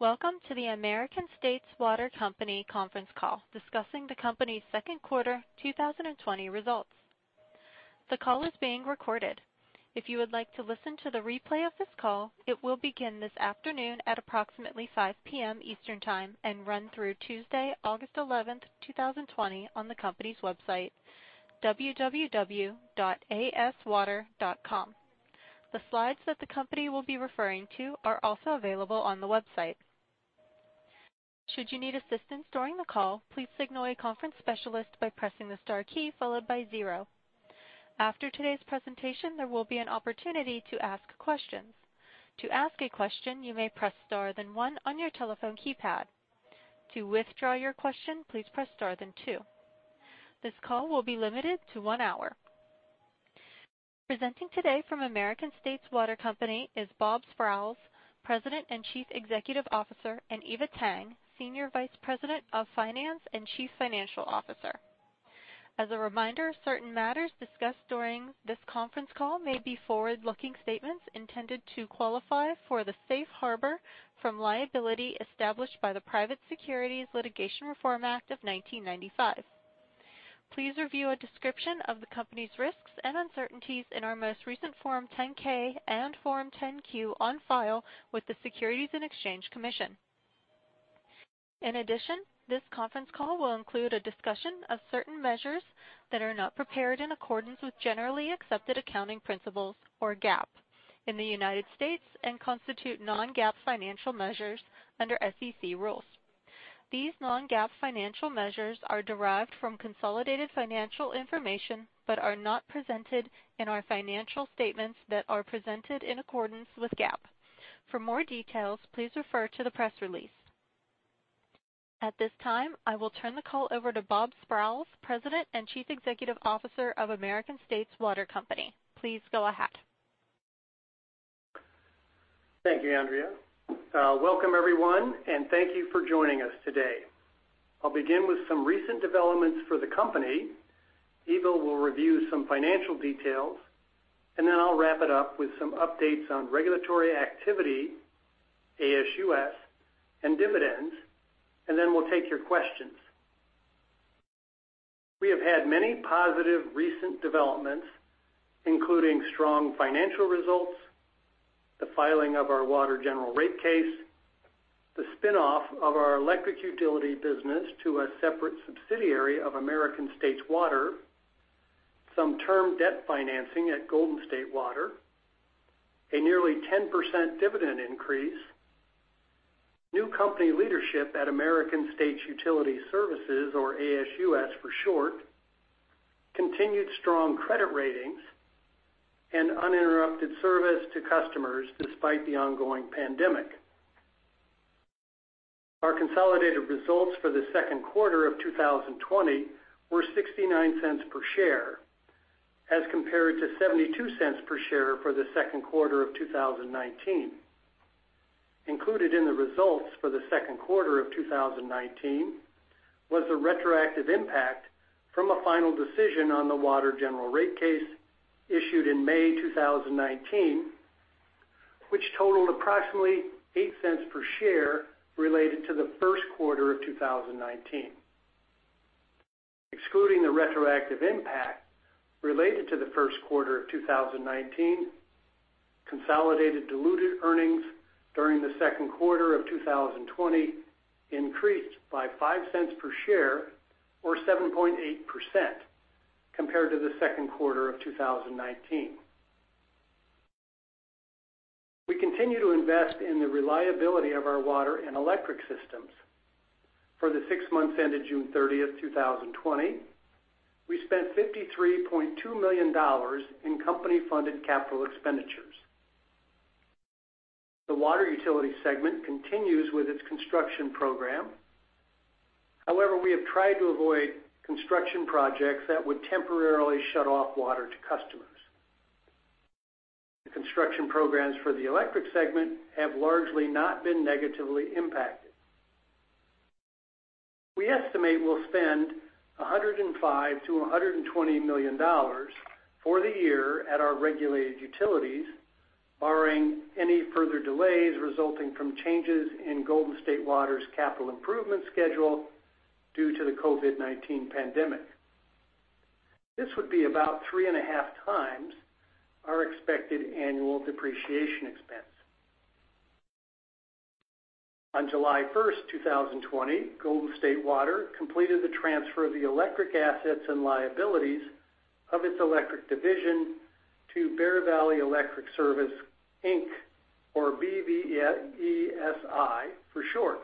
Welcome to the American States Water Company conference call discussing the company's second quarter 2020 results. The call is being recorded. If you would like to listen to the replay of this call, it will begin this afternoon at approximately 5:00P.M. Eastern Time and run through Tuesday, August 11, 2020, on the company's website, www.aswater.com. The slides that the company will be referring to are also available on the website. Should you need assistance during the call, please signal a conference specialist by pressing the star key followed by zero. After today's presentation, there will be an opportunity to ask questions. To ask a question, you may press star then one on your telephone keypad. To withdraw your question, please press star then two. This call will be limited to one hour. Presenting today from American States Water Company is Bob Sprowls, President and Chief Executive Officer, and Eva Tang, Senior Vice President of Finance and Chief Financial Officer. As a reminder, certain matters discussed during this conference call may be forward-looking statements intended to qualify for the safe harbor from liability established by the Private Securities Litigation Reform Act of 1995. Please review a description of the company's risks and uncertainties in our most recent Form 10-K and Form 10-Q on file with the Securities and Exchange Commission. In addition, this conference call will include a discussion of certain measures that are not prepared in accordance with generally accepted accounting principles, or GAAP, in the United States and constitute non-GAAP financial measures under SEC rules. These non-GAAP financial measures are derived from consolidated financial information but are not presented in our financial statements that are presented in accordance with GAAP. For more details, please refer to the press release. At this time, I will turn the call over to Bob Sprowls, President and Chief Executive Officer of American States Water Company. Please go ahead. Thank you, Andrea. Welcome everyone, thank you for joining us today. I'll begin with some recent developments for the company. Eva will review some financial details, I'll wrap it up with some updates on regulatory activity, ASUS, and dividends, We'll take your questions. We have had many positive recent developments, including strong financial results, the filing of our water general rate case, the spin-off of our electric utility business to a separate subsidiary of American States Water Company, some term debt financing at Golden State Water Company, a nearly 10% dividend increase, new company leadership at American States Utility Services, or ASUS for short, continued strong credit ratings, and uninterrupted service to customers despite the ongoing pandemic. Our consolidated results for the second quarter of 2020 were $0.69 per share as compared to $0.72 per share for the second quarter of 2019. Included in the results for the second quarter of 2019 was the retroactive impact from a final decision on the water general rate case issued in May 2019, which totaled approximately $0.08 per share related to the first quarter of 2019. Excluding the retroactive impact related to the first quarter of 2019, consolidated diluted earnings during the second quarter of 2020 increased by $0.05 per share or 7.8% compared to the second quarter of 2019. We continue to invest in the reliability of our water and electric systems. For the six months ended June 30, 2020, we spent $53.2 million in company-funded capital expenditures. The water utility segment continues with its construction program. However, we have tried to avoid construction projects that would temporarily shut off water to customers. The construction programs for the electric segment have largely not been negatively impacted. We estimate we'll spend $105 million-$120 million for the year at our regulated utilities, barring any further delays resulting from changes in Golden State Water's capital improvement schedule due to the COVID-19 pandemic. This would be about 3.5x our expected annual depreciation expense. On July 1, 2020, Golden State Water completed the transfer of the electric assets and liabilities of its electric division to Bear Valley Electric Service, Inc, or BVESI for short,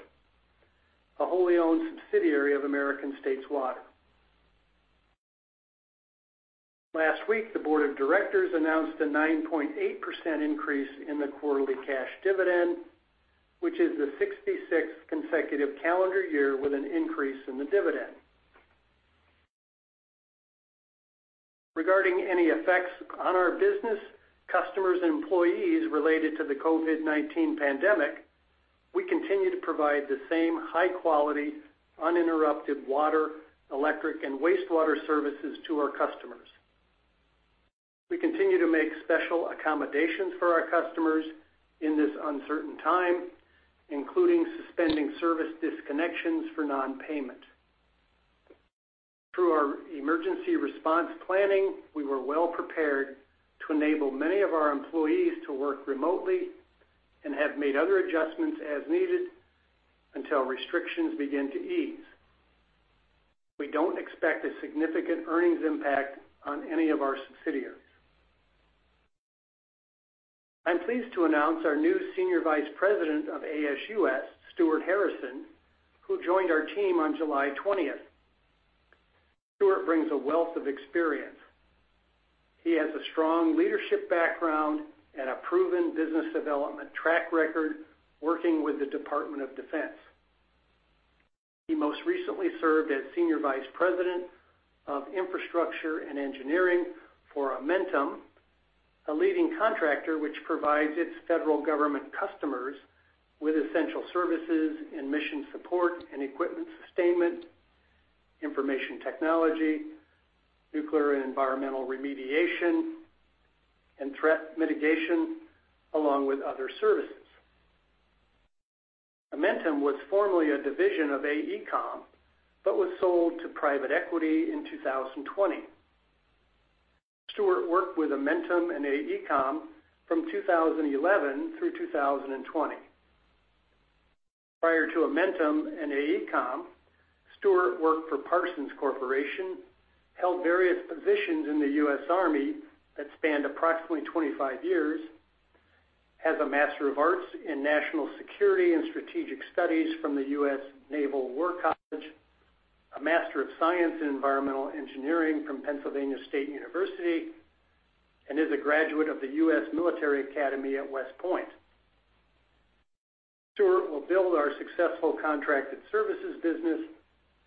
a wholly owned subsidiary of American States Water. Last week, the Board of Directors announced a 9.8% increase in the quarterly cash dividend, which is the 66th consecutive calendar year with an increase in the dividend. Regarding any effects on our business, customers, and employees related to the COVID-19 pandemic, we continue to provide the same high-quality, uninterrupted water, electric, and wastewater services to our customers. We continue to make special accommodations for our customers in this uncertain time, including suspending service disconnections for non-payment. Through our emergency response planning, we were well-prepared to enable many of our employees to work remotely and have made other adjustments as needed until restrictions begin to ease. We don't expect a significant earnings impact on any of our subsidiaries. I'm pleased to announce our new Senior Vice President of ASUS, Stuart Harrison, who joined our team on July 20th. Stuart brings a wealth of experience. He has a strong leadership background and a proven business development track record working with the Department of Defense. He most recently served as Senior Vice President of Infrastructure and Engineering for Amentum, a leading contractor which provides its federal government customers with essential services in mission support and equipment sustainment, information technology, nuclear and environmental remediation, and threat mitigation, along with other services. Amentum was formerly a division of AECOM, but was sold to private equity in 2020. Stuart worked with Amentum and AECOM from 2011 through 2020. Prior to Amentum and AECOM, Stuart worked for Parsons Corporation, held various positions in the U.S. Army that spanned approximately 25 years, has a Master of Arts in National Security and Strategic Studies from the U.S. Naval War College, a Master of Science in Environmental Engineering from The Pennsylvania State University, and is a graduate of the U.S. Military Academy at West Point. Stuart will build our successful contracted services business,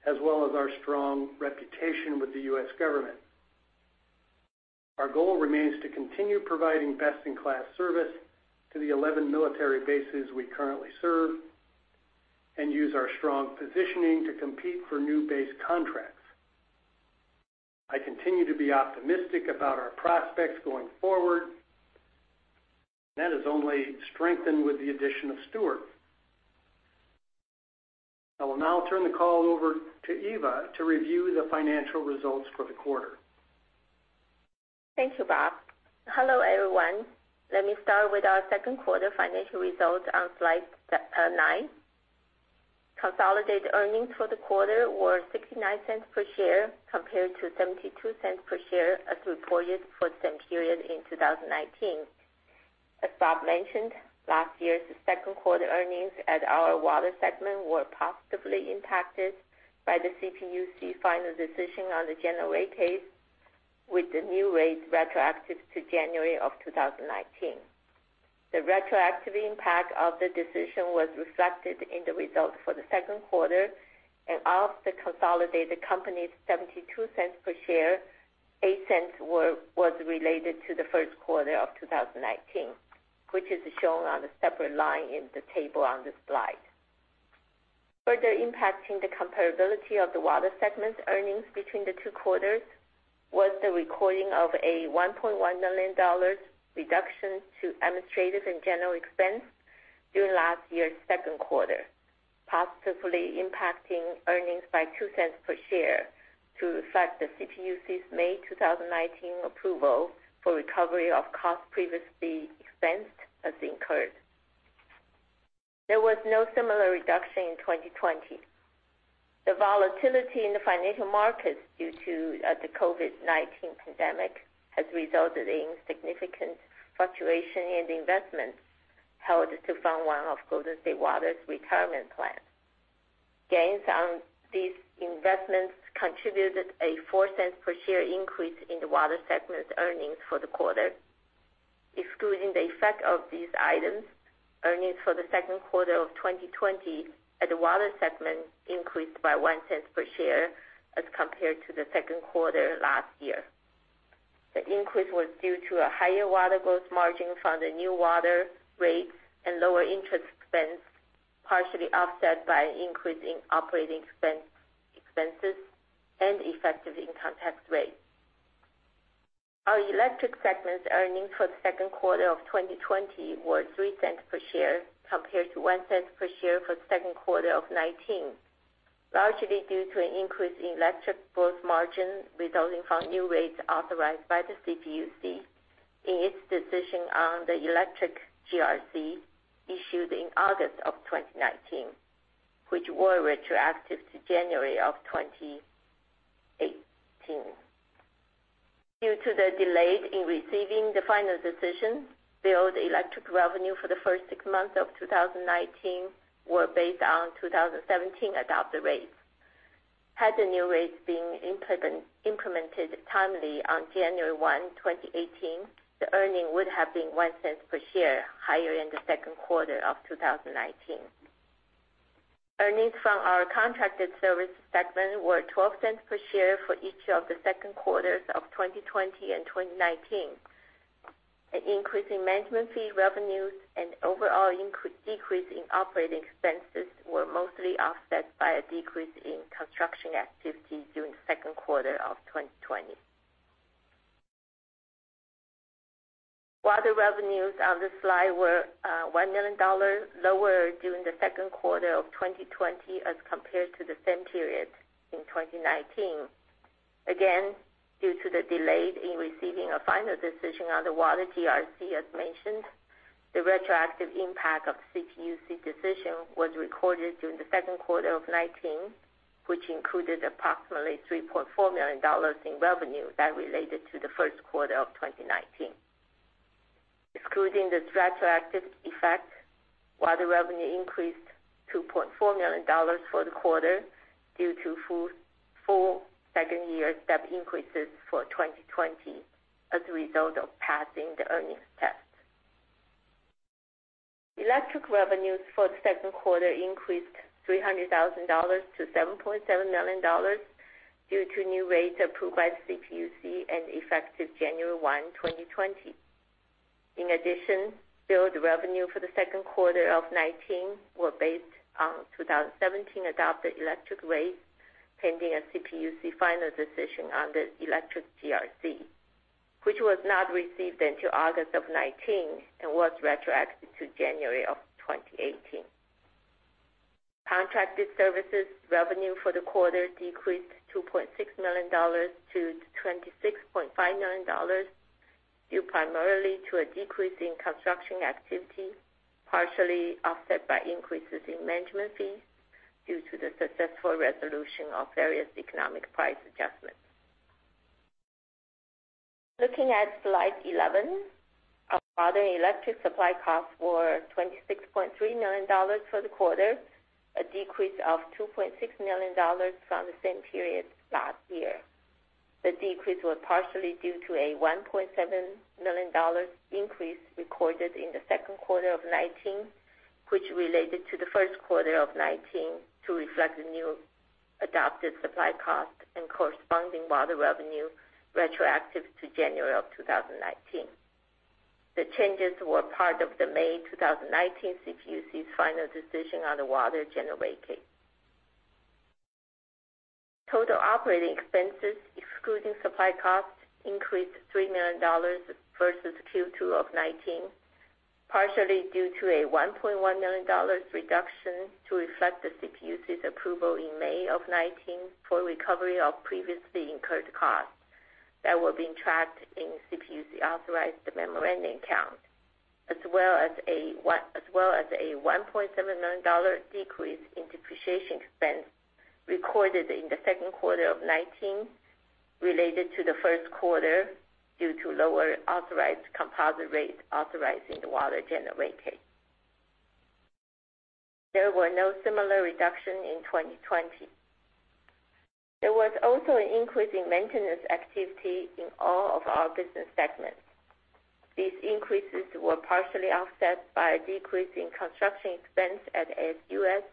as well as our strong reputation with the U.S. government. Our goal remains to continue providing best-in-class service to the 11 military bases we currently serve and use our strong positioning to compete for new base contracts. I continue to be optimistic about our prospects going forward. That has only strengthened with the addition of Stuart. I will now turn the call over to Eva to review the financial results for the quarter. Thank you, Bob. Hello, everyone. Let me start with our second quarter financial results on slide nine. Consolidated earnings for the quarter were $0.69 per share, compared to $0.72 per share as reported for the same period in 2019. As Bob mentioned, last year's second quarter earnings at our water segment were positively impacted by the CPUC final decision on the general rate case, with the new rates retroactive to January of 2019. The retroactive impact of the decision was reflected in the results for the second quarter. Of the consolidated company's $0.72 per share, $0.08 was related to the first quarter of 2019, which is shown on a separate line in the table on this slide. Further impacting the comparability of the water segment earnings between the two quarters was the recording of a $1.1 million reduction to administrative and general expense during last year's second quarter, positively impacting earnings by $0.02 per share to reflect the CPUC's May 2019 approval for recovery of costs previously expensed as incurred. There was no similar reduction in 2020. The volatility in the financial markets due to the COVID-19 pandemic has resulted in significant fluctuation in the investments held to fund one of Golden State Water's retirement plans. Gains on these investments contributed a $0.04 per share increase in the water segment earnings for the quarter. Excluding the effect of these items, earnings for the second quarter of 2020 at the water segment increased by $0.01 per share as compared to the second quarter last year. The increase was due to a higher water gross margin from the new water rates and lower interest expense, partially offset by an increase in operating expenses and effective income tax rate. Our electric segment's earnings for the second quarter of 2020 were $0.03 per share compared to $0.01 per share for the second quarter of 2019, largely due to an increase in electric gross margin resulting from new rates authorized by the CPUC in its decision on the electric GRC issued in August of 2019, which were retroactive to January of 2018. Due to the delay in receiving the final decision, billed electric revenue for the first six months of 2019 were based on 2017 adopted rates. Had the new rates been implemented timely on January 1, 2018, the earning would have been $0.01 per share higher in the second quarter of 2019. Earnings from our contracted service segment were $0.12 per share for each of the second quarters of 2020 and 2019. An increase in management fee revenues and overall decrease in operating expenses were mostly offset by a decrease in construction activity during the second quarter of 2020. Water revenues on this slide were $1 million lower during the second quarter of 2020 as compared to the same period in 2019. Due to the delay in receiving a final decision on the Water GRC, as mentioned, the retroactive impact of CPUC decision was recorded during the second quarter of 2019, which included approximately $3.4 million in revenue that related to the first quarter of 2019. Excluding the retroactive effect, water revenue increased to $2.4 million for the quarter due to full second-year step increases for 2020 as a result of passing the earnings test. Electric revenues for the second quarter increased $300,000-$7.7 million due to a new rate approved by the CPUC and effective January 1, 2020. In addition, billed revenue for the second quarter of 2019 was based on 2017 adopted electric rates pending a CPUC final decision on the electric GRC, which was not received until August of 2019 and was retroactive to January of 2018. Contracted services revenue for the quarter decreased to $2.6 million-$26.5 million, due primarily to a decrease in construction activity, partially offset by increases in management fees due to the successful resolution of various economic price adjustments. Looking at slide 11, our water and electric supply costs were $26.3 million for the quarter, a decrease of $2.6 million from the same period last year. The decrease was partially due to a $1.7 million increase recorded in the second quarter of 2019, which related to the first quarter of 2019 to reflect the new adopted supply cost and corresponding water revenue retroactive to January of 2019. The changes were part of the May 2019 CPUC's final decision on the general rate case. Total operating expenses, excluding supply costs, increased $3 million versus Q2 of 2019, partially due to a $1.1 million reduction to reflect the CPUC's approval in May of 2019 for recovery of previously incurred costs that were being tracked in CPUC-authorized memorandum accounts, as well as a $1.7 million decrease in depreciation expense recorded in the second quarter of 2019 related to the first quarter due to lower authorized composite rates authorized in the general rate case. There were no similar reduction in 2020. There was also an increase in maintenance activity in all of our business segments. These increases were partially offset by a decrease in construction expense at ASUS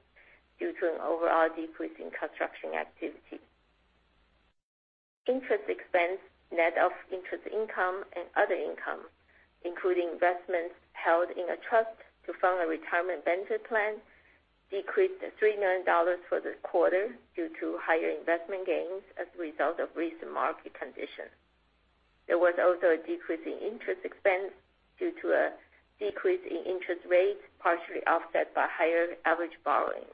due to an overall decrease in construction activity. Interest expense, net of interest income and other income, including investments held in a trust to fund a retirement benefit plan, decreased $3 million for the quarter due to higher investment gains as a result of recent market conditions. There was also a decrease in interest expense due to a decrease in interest rates, partially offset by higher average borrowing.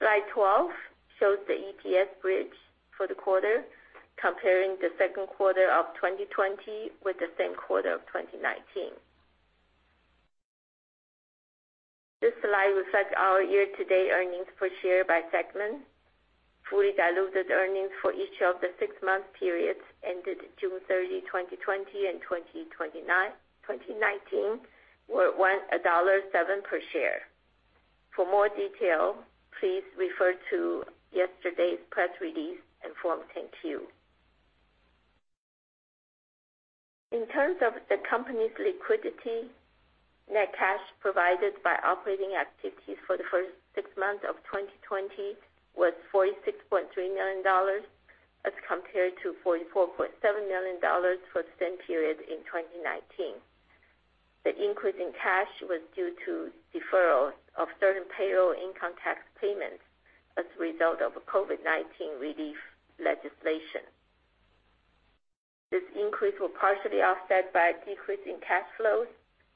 Slide 12 shows the EPS bridge for the quarter, comparing the second quarter of 2020 with the same quarter of 2019. This slide reflects our year-to-date earnings per share by segment. Fully diluted earnings for each of the six-month periods ended June 30, 2020, and 2019 were $1.07 per share. For more detail, please refer to yesterday's press release and Form 10-Q. In terms of the company's liquidity, net cash provided by operating activities for the first six months of 2020 was $46.3 million as compared to $44.7 million for the same period in 2019. The increase in cash was due to deferrals of certain payroll income tax payments as a result of COVID-19 relief legislation. This increase was partially offset by a decrease in cash flows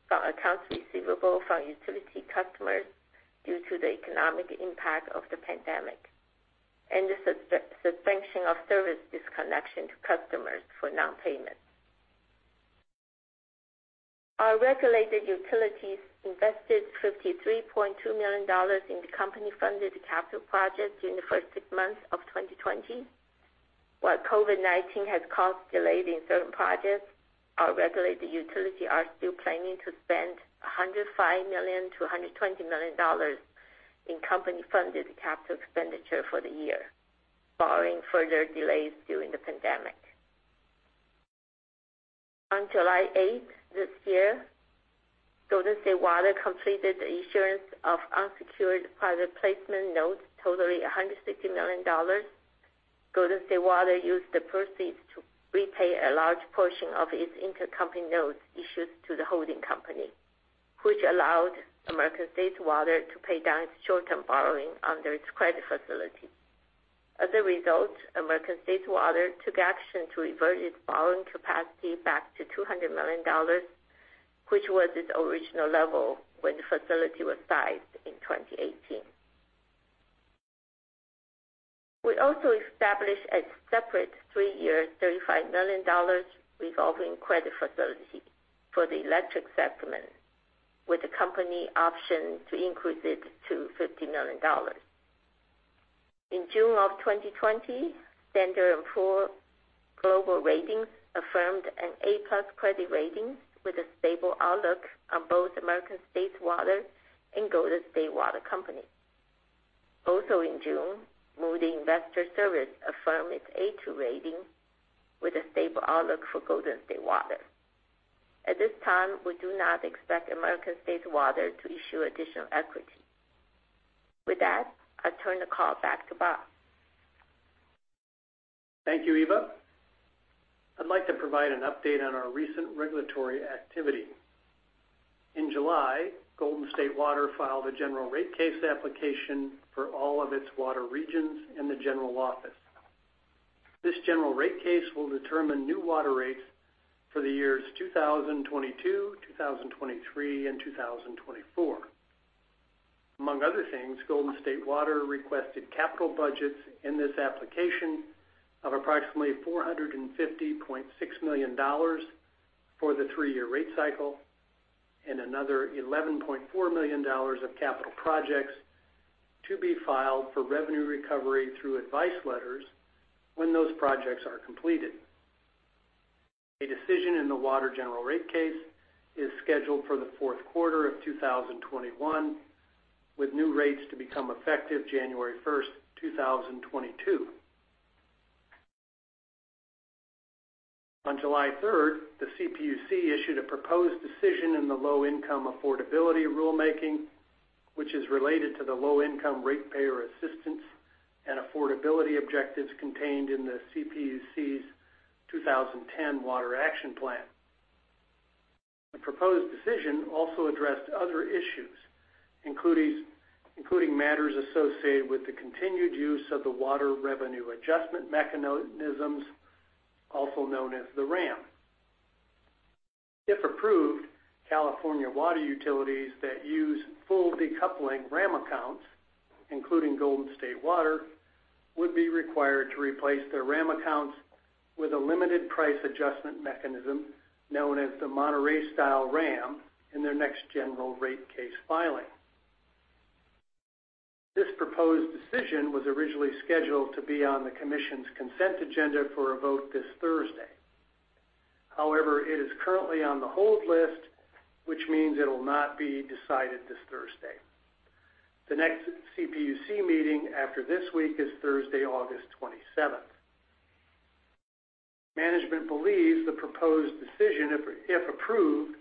from accounts receivable from utility customers due to the economic impact of the pandemic and the suspension of service disconnection to customers for non-payment. Our regulated utilities invested $53.2 million in the company-funded capital projects during the first six months of 2020. While COVID-19 has caused delays in certain projects, our regulated utilities are still planning to spend $105 million-$120 million in company-funded capital expenditure for the year, barring further delays during the pandemic. On July 8 this year, Golden State Water completed the issuance of unsecured private placement notes totaling $160 million. Golden State Water used the proceeds to repay a large portion of its intercompany notes issued to the holding company, which allowed American States Water to pay down its short-term borrowing under its credit facility. As a result, American States Water took action to revert its borrowing capacity back to $200 million, which was its original level when the facility was sized in 2018. We also established a separate three-year, $35 million revolving credit facility for the electric segment, with the company optioned to increase it to $50 million. In June of 2020, S&P Global Ratings affirmed an A+ credit rating with a stable outlook on both American States Water and Golden State Water Company. Also in June, Moody's Investors Service affirmed its A2 rating with a stable outlook for Golden State Water. At this time, we do not expect American States Water to issue additional equity. With that, I turn the call back to Bob. Thank you, Eva. I'd like to provide an update on our recent regulatory activity. In July, Golden State Water filed a general rate case application for all of its water regions and the general office. This general rate case will determine new water rates for the years 2022, 2023, and 2024. Among other things, Golden State Water requested capital budgets in this application of approximately $450.6 million for the three-year rate cycle, and another $11.4 million of capital projects to be filed for revenue recovery through advice letters when those projects are completed. A decision in the water general rate case is scheduled for the fourth quarter of 2021, with new rates to become effective January 1st, 2022. On July 3rd, the CPUC issued a proposed decision in the low-income affordability rulemaking, which is related to the low-income ratepayer assistance and affordability objectives contained in the CPUC's 2010 Water Action Plan. The proposed decision also addressed other issues, including matters associated with the continued use of the Water Revenue Adjustment Mechanisms, also known as the WRAM. If approved, California water utilities that use full decoupling WRAM accounts, including Golden State Water, would be required to replace their WRAM accounts with a limited price adjustment mechanism known as the Monterey-style WRAM in their next general rate case filing. This proposed decision was originally scheduled to be on the commission's consent agenda for a vote this Thursday. It is currently on the hold list, which means it'll not be decided this Thursday. The next CPUC meeting after this week is Thursday, August 27th. Management believes the proposed decision, if approved,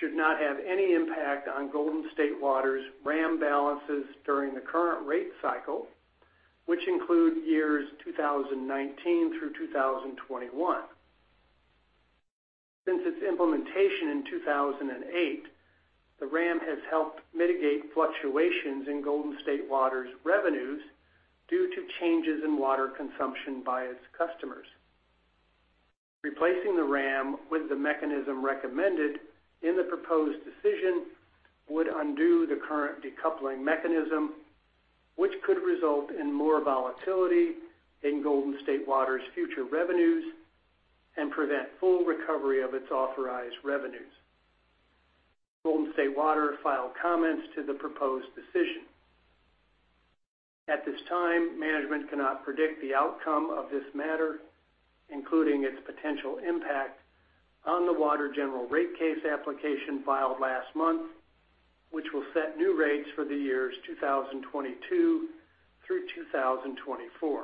should not have any impact on Golden State Water's WRAM balances during the current rate cycle, which include years 2019 through 2021. Since its implementation in 2008, the WRAM has helped mitigate fluctuations in Golden State Water's revenues due to changes in water consumption by its customers. Replacing the WRAM with the mechanism recommended in the proposed decision would undo the current decoupling mechanism, which could result in more volatility in Golden State Water's future revenues and prevent full recovery of its authorized revenues. Golden State Water filed comments to the proposed decision. At this time, management cannot predict the outcome of this matter, including its potential impact on the water general rate case application filed last month, which will set new rates for the years 2022 through 2024.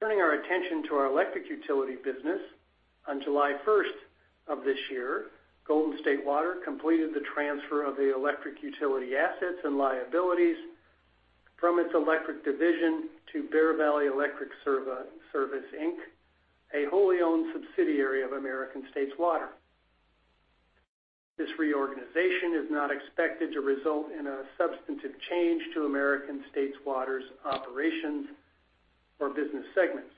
Turning our attention to our electric utility business, on July 1st of this year, Golden State Water completed the transfer of the electric utility assets and liabilities from its electric division to Bear Valley Electric Service, Inc., a wholly owned subsidiary of American States Water. This reorganization is not expected to result in a substantive change to American States Water's operations or business segments.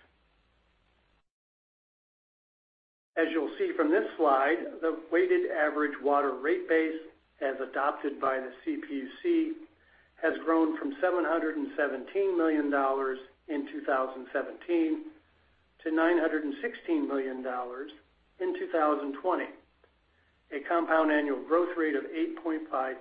As you'll see from this slide, the weighted average water rate base as adopted by the CPUC has grown from $717 million in 2017 to $916 million in 2020, a compound annual growth rate of 8.5%.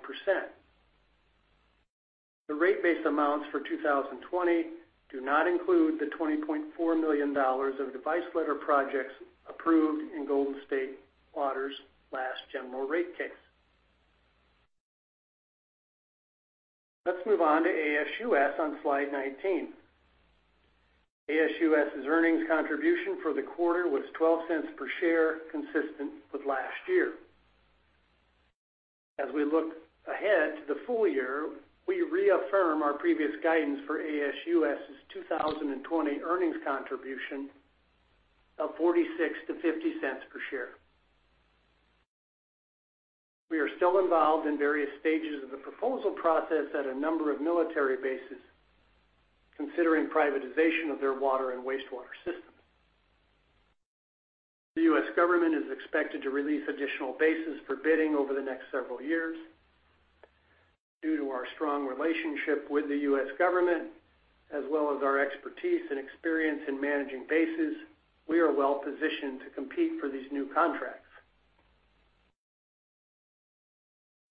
The rate base amounts for 2020 do not include the $20.4 million of advice letter projects approved in Golden State Water's last general rate case. Let's move on to ASUS on slide 19. ASUS's earnings contribution for the quarter was $0.12 per share, consistent with last year. As we look ahead to the full year, we reaffirm our previous guidance for ASUS's 2020 earnings contribution of $0.46-$0.50 per share. We are still involved in various stages of the proposal process at a number of military bases considering privatization of their water and wastewater systems. The U.S. government is expected to release additional bases for bidding over the next several years. Due to our strong relationship with the U.S. government, as well as our expertise and experience in managing bases, we are well-positioned to compete for these new contracts.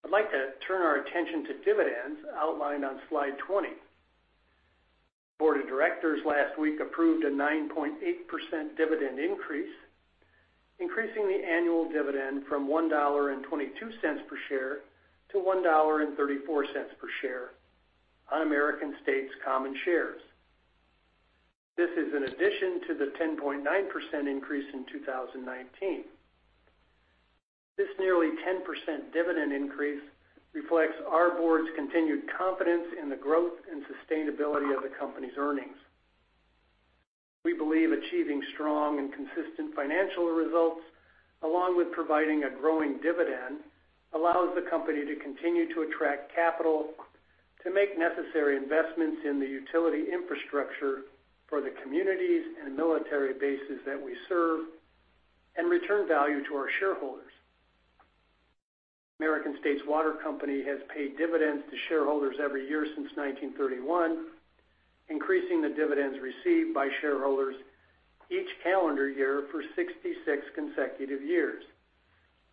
I'd like to turn our attention to dividends outlined on slide 20. Board of directors last week approved a 9.8% dividend increase, increasing the annual dividend from $1.22 per share to $1.34 per share on American States' common shares. This is in addition to the 10.9% increase in 2019. This nearly 10% dividend increase reflects our board's continued confidence in the growth and sustainability of the company's earnings. We believe achieving strong and consistent financial results, along with providing a growing dividend, allows the company to continue to attract capital to make necessary investments in the utility infrastructure for the communities and military bases that we serve and return value to our shareholders. American States Water Company has paid dividends to shareholders every year since 1931, increasing the dividends received by shareholders each calendar year for 66 consecutive years,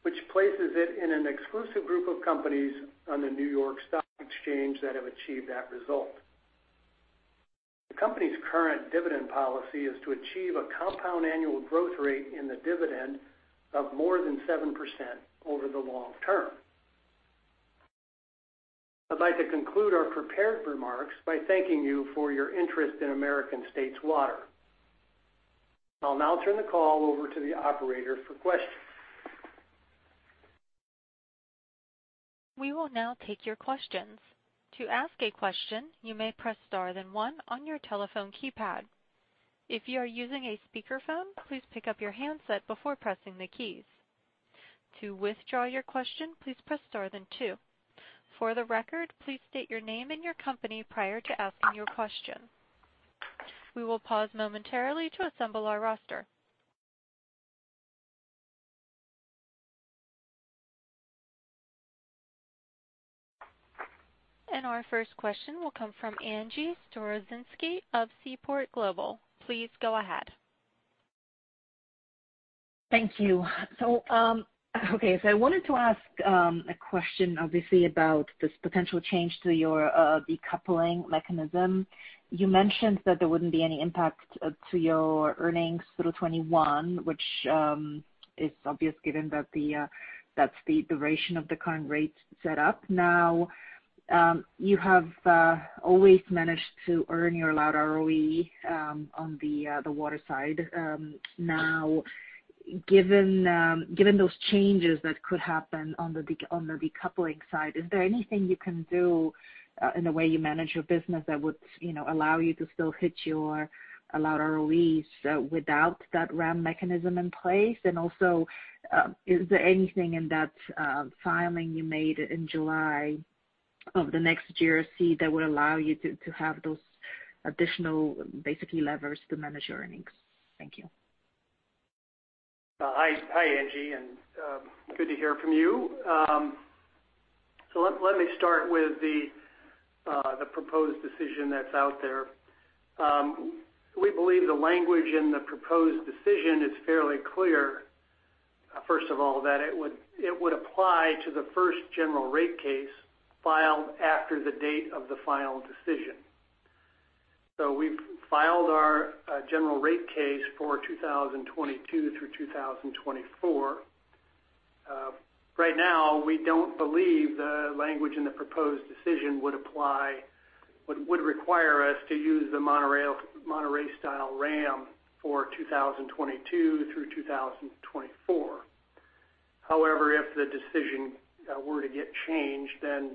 which places it in an exclusive group of companies on the New York Stock Exchange that have achieved that result. The company's current dividend policy is to achieve a compound annual growth rate in the dividend of more than 7% over the long term. I'd like to conclude our prepared remarks by thanking you for your interest in American States Water. I'll now turn the call over to the operator for questions. We will now take your questions. To ask a question, you may press star then one on your telephone keypad. If you are using a speakerphone, please pick up your handset before pressing the keys. To withdraw your question, please press star then two. For the record, please state your name and your company prior to asking your question. We will pause momentarily to assemble our roster. Our first question will come from Angie Storozynski of Seaport Global. Please go ahead. Thank you. Okay, I wanted to ask a question obviously about this potential change to your decoupling mechanism. You mentioned that there wouldn't be any impact to your earnings through 2021, which is obvious given that's the duration of the current rate set up now. You have always managed to earn your allowed ROE on the water side. Now, given those changes that could happen on the decoupling side, is there anything you can do in the way you manage your business that would allow you to still hit your allowed ROEs without that WRAM mechanism in place? Also, is there anything in that filing you made in July of the next GRC that would allow you to have those additional, basically levers to manage your earnings? Thank you. Hi, Angie, good to hear from you. Let me start with the proposed decision that's out there. We believe the language in the proposed decision is fairly clear, first of all, that it would apply to the first general rate case filed after the date of the final decision. We've filed our general rate case for 2022 through 2024. Right now, we don't believe the language in the proposed decision would require us to use the Monterey-style WRAM for 2022 through 2024. However, if the decision were to get changed, then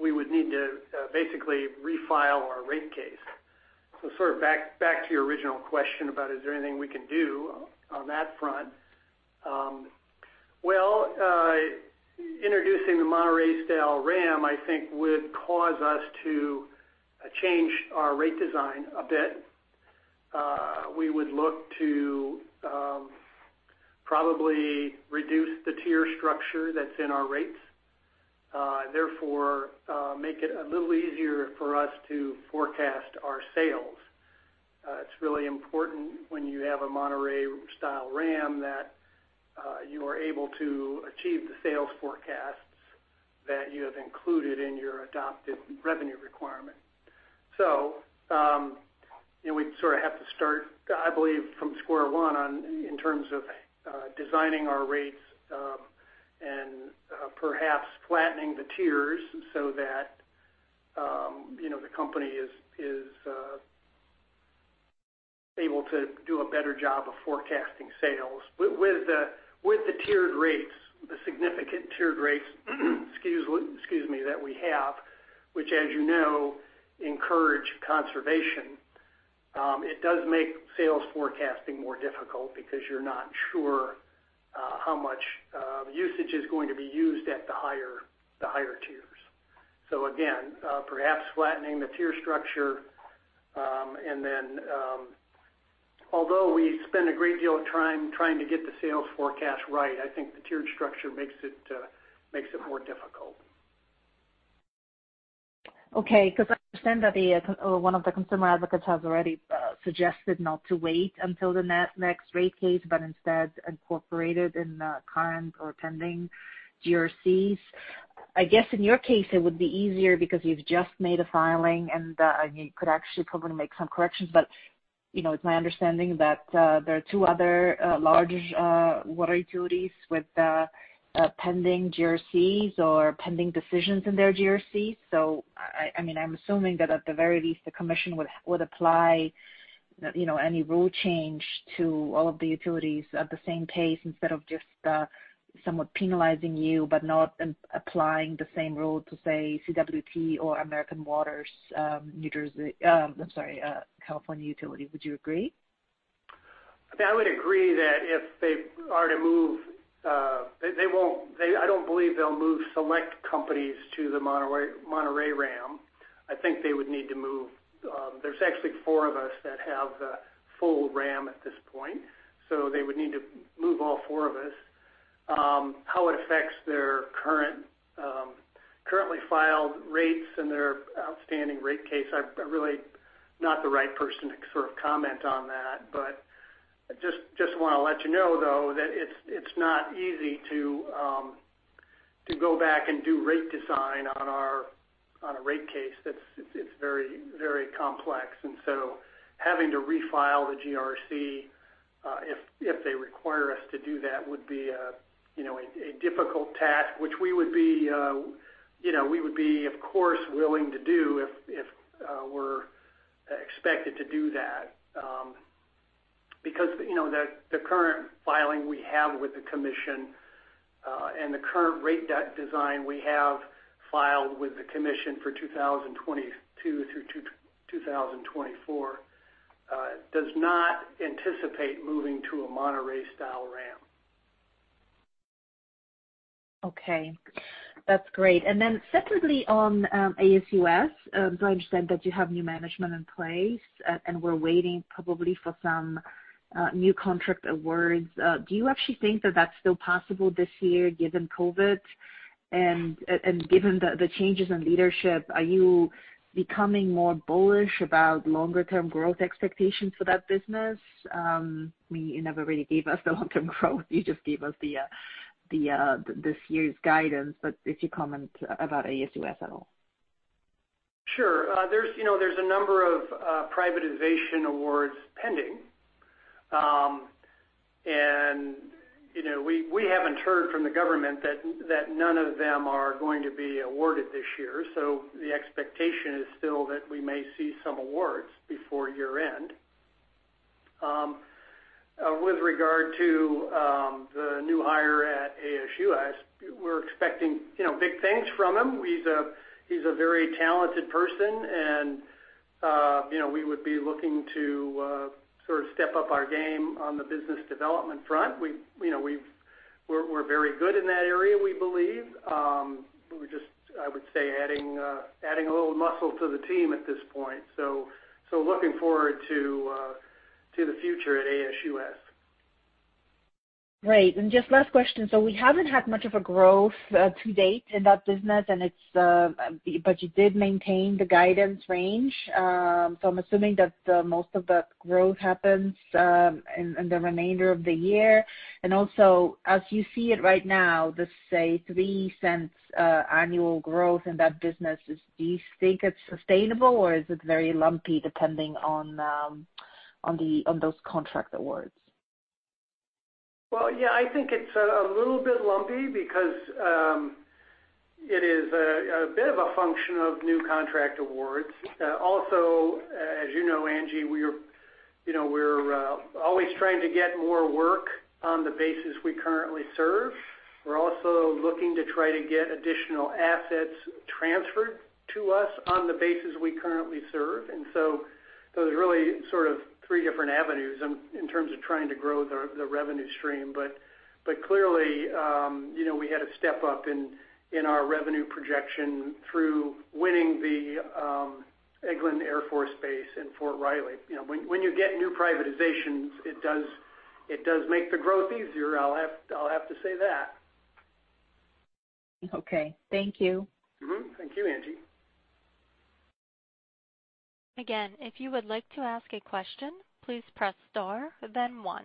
we would need to basically refile our rate case. Back to your original question about is there anything we can do on that front. Well, introducing the Monterey-style WRAM, I think, would cause us to change our rate design a bit. We would look to probably reduce the tier structure that's in our rates, therefore make it a little easier for us to forecast our sales. It's really important when you have a Monterey-style WRAM that you are able to achieve the sales forecasts that you have included in your adopted revenue requirement. We sort of have to start, I believe, from square one in terms of designing our rates and perhaps flattening the tiers so that the company is able to do a better job of forecasting sales. With the significant tiered rates, excuse me, that we have, which as you know, encourage conservation, it does make sales forecasting more difficult because you're not sure how much usage is going to be used at the higher tiers. Perhaps flattening the tier structure, although we spend a great deal of time trying to get the sales forecast right, I think the tiered structure makes it more difficult. I understand that one of the consumer advocates has already suggested not to wait until the next rate case, but instead incorporate it in the current or pending GRCs. I guess in your case, it would be easier because you've just made a filing and you could actually probably make some corrections. It's my understanding that there are two other large water utilities with pending GRCs or pending decisions in their GRC. I'm assuming that at the very least, the commission would apply any rule change to all of the utilities at the same pace instead of just somewhat penalizing you but not applying the same rule to, say, Cal Water or California American Water. Would you agree? I would agree that if they are to move, I don't believe they'll move select companies to the Monterey WRAM. I think they would need to. There's actually four of us that have full WRAM at this point, so they would need to move all four of us. How it affects their currently filed rates and their outstanding rate case, I'm really not the right person to comment on that. I just want to let you know, though, that it's not easy to go back and do rate design on a rate case. It's very complex. Having to refile the GRC, if they require us to do that, would be a difficult task, which we would be, of course, willing to do if we're expected to do that. The current filing we have with the Commission, and the current rate design we have filed with the Commission for 2022 through 2024, does not anticipate moving to a Monterey-style WRAM. Okay. That's great. Separately on ASUS, I understand that you have new management in place and we're waiting probably for some new contract awards. Do you actually think that that's still possible this year given COVID and given the changes in leadership? Are you becoming more bullish about longer term growth expectations for that business? You never really gave us the long term growth, you just gave us this year's guidance. If you comment about ASUS at all. Sure. There's a number of privatization awards pending. We haven't heard from the government that none of them are going to be awarded this year, so the expectation is still that we may see some awards before year end. With regard to the new hire at ASUS, we're expecting big things from him. He's a very talented person and we would be looking to sort of step up our game on the business development front. We're very good in that area, we believe. We're just, I would say, adding a little muscle to the team at this point. Looking forward to the future at ASUS. Great. Just last question. We haven't had much of a growth to date in that business, but you did maintain the guidance range. I'm assuming that most of the growth happens in the remainder of the year. Also, as you see it right now, the, say, $0.03 annual growth in that business, do you think it's sustainable, or is it very lumpy depending on those contract awards? Well, yeah, I think it's a little bit lumpy because it is a bit of a function of new contract awards. Also, as you know, Angie, we're always trying to get more work on the bases we currently serve. We're also looking to try to get additional assets transferred to us on the bases we currently serve. Those are really sort of three different avenues in terms of trying to grow the revenue stream. Clearly we had a step up in our revenue projection through winning the Eglin Air Force Base and Fort Riley. When you get new privatizations, it does make the growth easier, I'll have to say that. Okay. Thank you. Thank you, Angie. If you would like to ask a question, please press star, then one.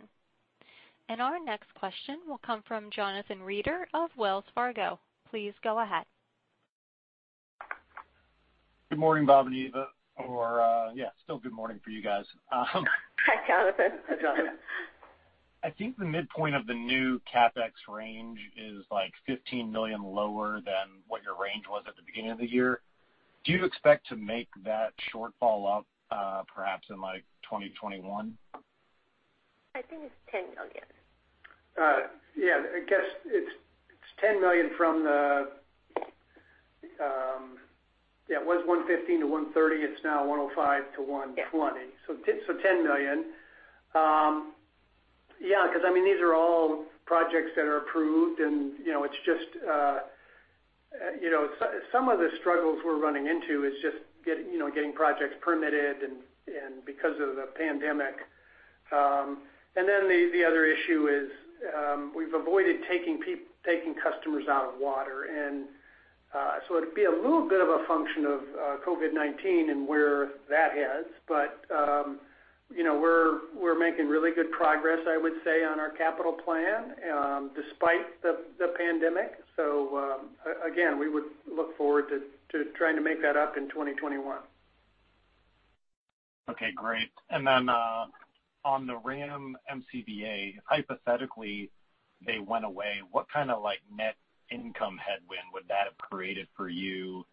Our next question will come from Jonathan Reeder of Wells Fargo. Please go ahead. Good morning, Bob and Eva, or, yeah, still good morning for you guys. Hi, Jonathan. I think the midpoint of the new CapEx range is like $15 million lower than what your range was at the beginning of the year. Do you expect to make that shortfall up perhaps in 2021? I think it's $10 million. Yeah. I guess it's $10 million. It was $115 million-$130 million. It's now $105 million-$120 million. Yeah. $10 million, yeah, because these are all projects that are approved and it's just some of the struggles we're running into is just getting projects permitted and because of the pandemic. The other issue is, we've avoided taking customers out of water. It'd be a little bit of a function of COVID-19 and where that heads. We're making really good progress, I would say, on our capital plan, despite the pandemic. Again, we would look forward to trying to make that up in 2021. Okay, great. Then, on the WRAM MCBA, hypothetically, they went away. What kind of net income headwind would that have created for you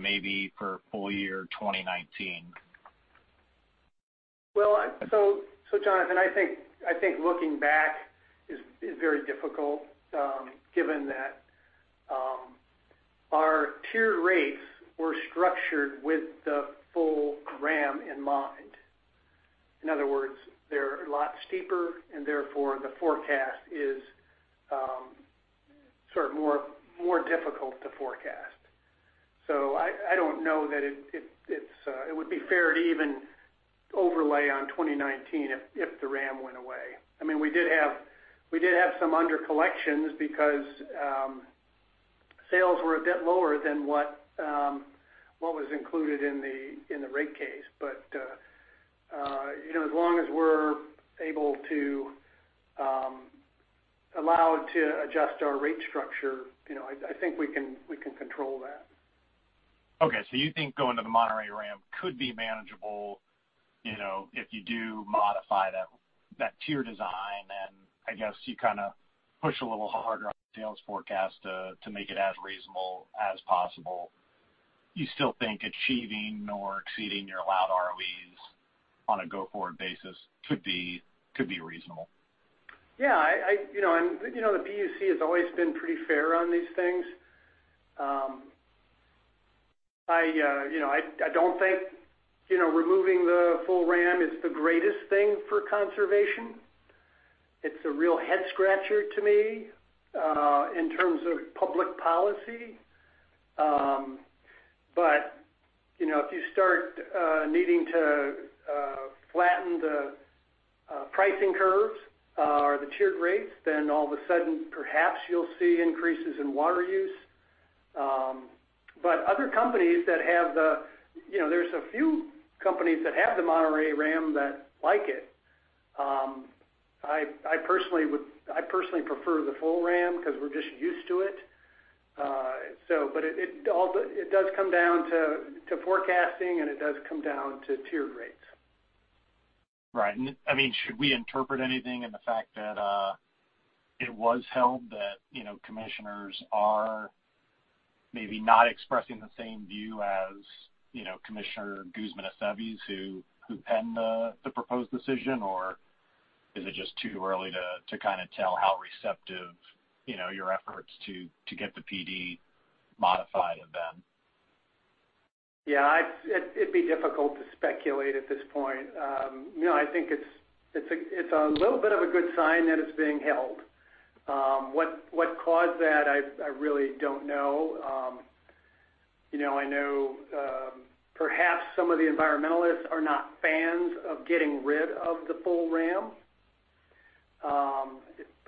maybe for full year 2019? Jonathan, I think looking back is very difficult, given that our tier rates were structured with the full WRAM in mind. In other words, they're a lot steeper and therefore the forecast is more difficult to forecast. I don't know that it would be fair to even overlay on 2019 if the WRAM went away. We did have some under collections because sales were a bit lower than what was included in the rate case. As long as we're able to allow to adjust our rate structure, I think we can control that. You think going to the Monterey-style WRAM could be manageable, if you do modify that tier design and I guess you push a little harder on the sales forecast to make it as reasonable as possible. You still think achieving or exceeding your allowed ROEs on a go-forward basis could be reasonable. The PUC has always been pretty fair on these things. I don't think removing the full WRAM is the greatest thing for conservation. It's a real head scratcher to me, in terms of public policy. If you start needing to flatten the pricing curves or the tiered rates, then all of a sudden, perhaps you'll see increases in water use. There's a few companies that have the Monterey WRAM that like it. I personally prefer the full WRAM because we're just used to it. It does come down to forecasting, and it does come down to tiered rates. Right. Should we interpret anything in the fact that it was held that commissioners are maybe not expressing the same view as Commissioner Guzman Aceves who penned the proposed decision, or is it just too early to tell how receptive your efforts to get the PD modified have been? Yeah. It'd be difficult to speculate at this point. I think it's a little bit of a good sign that it's being held. What caused that? I really don't know. I know perhaps some of the environmentalists are not fans of getting rid of the full WRAM.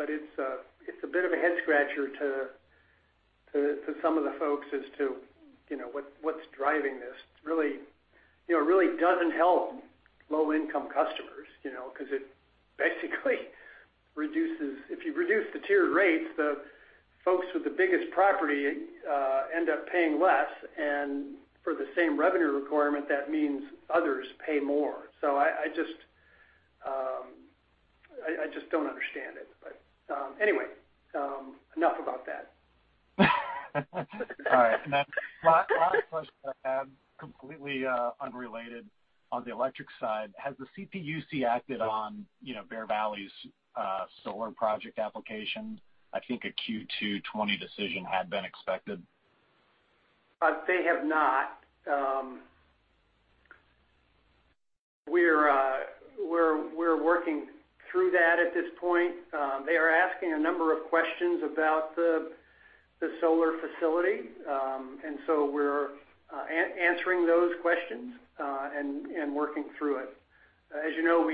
It's a bit of a head scratcher to some of the folks as to what's driving this. It really doesn't help low-income customers, because it basically reduces. If you reduce the tiered rates, the folks with the biggest property end up paying less, and for the same revenue requirement, that means others pay more. I just don't understand it, but anyway, enough about that. All right. Last question I have, completely unrelated. On the electric side, has the CPUC acted on Bear Valley's solar project application? I think a Q2 2020 decision had been expected. They have not. We're working through that at this point. They are asking a number of questions about the solar facility. We're answering those questions and working through it. As you know,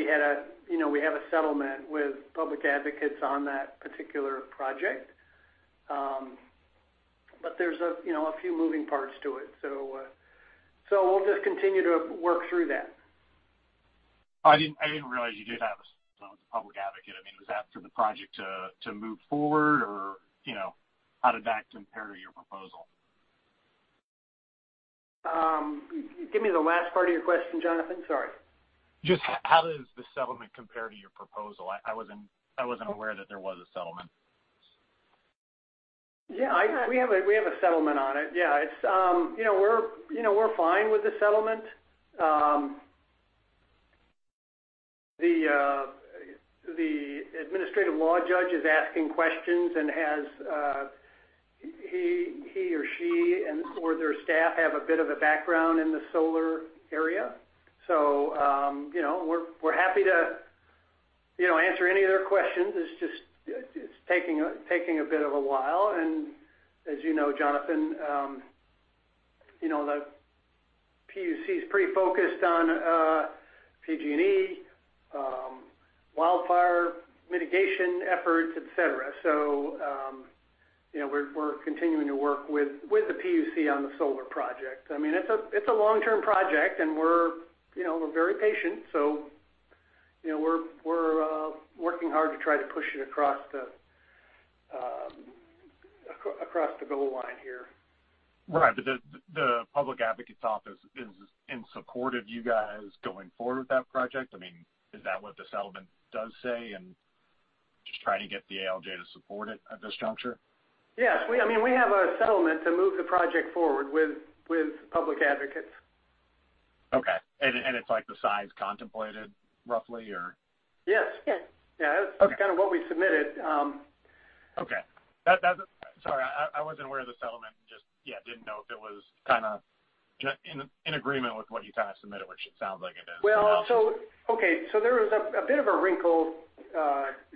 we have a settlement with Public Advocates Office on that particular project. There's a few moving parts to it. We'll just continue to work through that. I didn't realize you did have a Public Advocate. Was that for the project to move forward, or how did that compare to your proposal? Give me the last part of your question, Jonathan. Sorry. Just how does the settlement compare to your proposal? I wasn't aware that there was a settlement. We have a settlement on it. We're fine with the settlement. The administrative law judge is asking questions and he or she and or their staff have a bit of a background in the solar area. We're happy to answer any of their questions. It's just taking a bit of a while, and as you know, Jonathan, the PUC is pretty focused on PG&E, wildfire mitigation efforts, et cetera. We're continuing to work with the PUC on the solar project. It's a long-term project, and we're very patient. We're working hard to try to push it across the goal line here. Right. The Public Advocates Office is in support of you guys going forward with that project? Is that what the settlement does say, and just trying to get the ALJ to support it at this juncture? Yes. We have a settlement to move the project forward with Public Advocates. Okay. It's like the size contemplated roughly or? Yes. Yes. Yeah. That's kind of what we submitted. Okay. Sorry, I wasn't aware of the settlement, just, yeah, didn't know if it was kind of in agreement with what you guys submitted, which it sounds like it is. Okay. There was a bit of a wrinkle,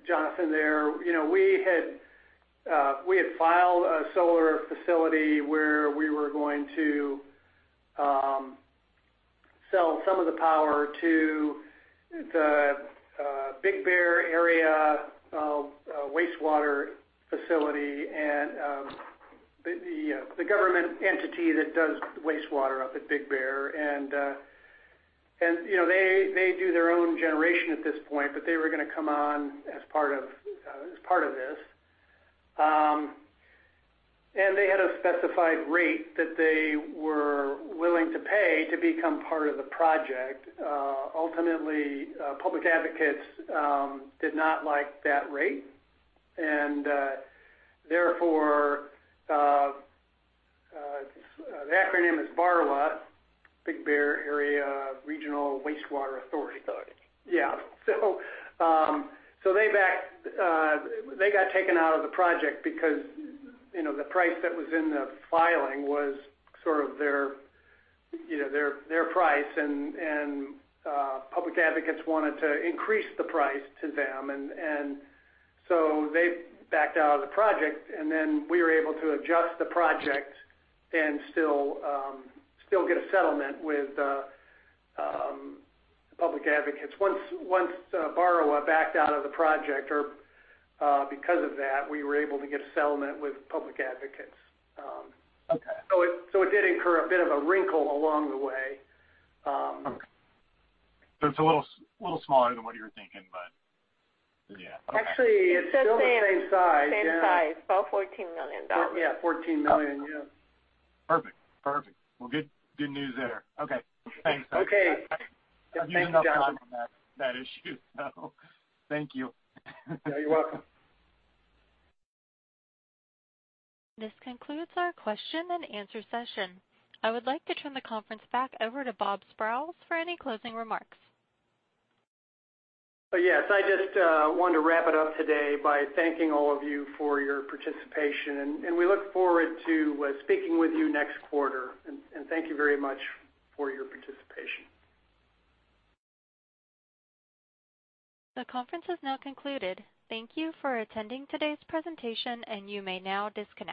Jonathan, there. We had filed a solar facility where we were going to sell some of the power to the Big Bear area wastewater facility and the government entity that does wastewater up at Big Bear. They do their own generation at this point, but they were going to come on as part of this. They had a specified rate that they were willing to pay to become part of the project. Ultimately, Public Advocates did not like that rate. Therefore, the acronym is BARWA, Big Bear Area Regional Wastewater Authority. Authority. They got taken out of the project because the price that was in the filing was sort of their price and Public Advocates wanted to increase the price to them. They backed out of the project, and then we were able to adjust the project and still get a settlement with Public Advocates. Once BARWA backed out of the project, or because of that, we were able to get a settlement with Public Advocates. Okay. It did incur a bit of a wrinkle along the way. Okay. It's a little smaller than what you were thinking, but yeah. Okay. Actually, it's still the same size. Same size. About $14 million. Yeah, $14 million. Yeah. Perfect. Well, good news there. Okay. Thanks. Okay. Thanks, Jonathan. I've used enough time on that issue. Thank you. Yeah, you're welcome. This concludes our question and answer session. I would like to turn the conference back over to Bob Sprowls for any closing remarks. Yes. I just wanted to wrap it up today by thanking all of you for your participation, and we look forward to speaking with you next quarter. Thank you very much for your participation. The conference has now concluded. Thank you for attending today's presentation, you may now disconnect.